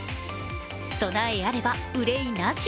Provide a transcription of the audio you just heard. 備えあればうれいなし。